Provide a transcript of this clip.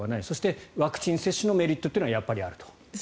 そしてワクチン接種のメリットはやはりあると。